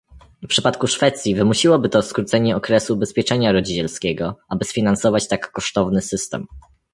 W przypadku Szwecji wymusiłoby to skrócenie okresu ubezpieczenia rodzicielskiego, aby sfinansować tak kosztowny system